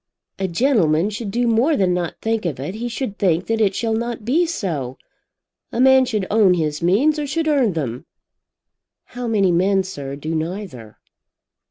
"A gentleman should do more than not think of it. He should think that it shall not be so. A man should own his means or should earn them." "How many men, sir, do neither?"